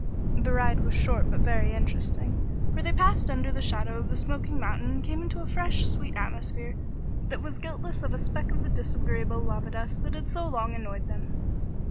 The ride was short but very interesting, for they passed under the shadow of the smoking mountain and came into a fresh, sweet atmosphere that was guiltless of a speck of the disagreeable lava dust that had so long annoyed them.